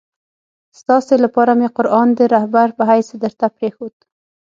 ستاسي لپاره مي قرآن د رهبر په حیث درته پرېښود.